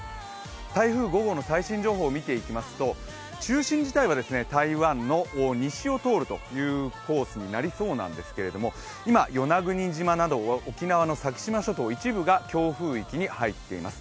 台風５号の最新情報を見ていきますと中心自体は台湾の西を通るというコースになりそうなんですけれども、今、与那国島など沖縄の先島諸島一部が強風域に入っています。